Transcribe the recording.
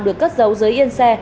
được cất giấu dưới yên xe